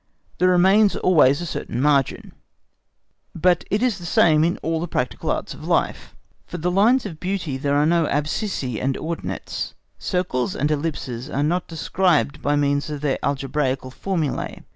There remains always a certain margin. But it is the same in all the practical arts of life. For the lines of beauty there are no abscissae and ordinates; circles and ellipses are not described by means of their algebraical formulae.